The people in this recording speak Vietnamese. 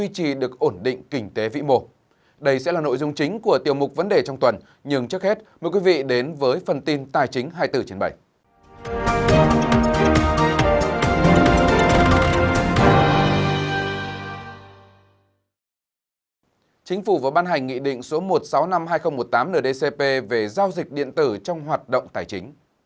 chính phủ vừa ban hành nghị định số một triệu sáu trăm năm mươi hai nghìn một mươi tám nửa dcp về giao dịch điện tử trong hoạt động tài chính